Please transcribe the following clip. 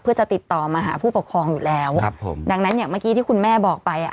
เพื่อจะติดต่อมาหาผู้ปกครองอยู่แล้วครับผมดังนั้นอย่างเมื่อกี้ที่คุณแม่บอกไปอ่ะ